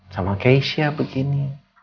sama keisha begini